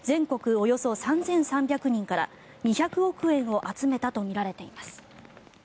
およそ３３００人から２００億円を集めたとみられています。